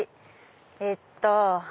えっと。